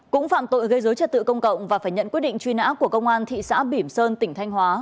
cũng phạm tội gây dối trật tự công cộng và phải nhận quyết định truy nã của công an thị xã bỉm sơn tỉnh thanh hóa